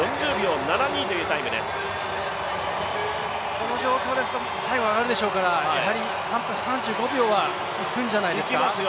この状況ですと最後上がるでしょうから、やはり３分３５秒はいくんじゃないですか。